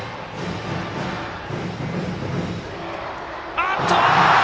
あっと！